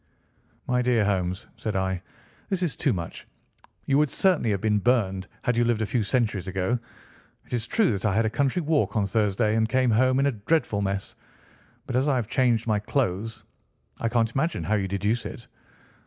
"My dear Holmes," said I, "this is too much. You would certainly have been burned, had you lived a few centuries ago. It is true that I had a country walk on Thursday and came home in a dreadful mess, but as I have changed my clothes I can't imagine how you deduce it.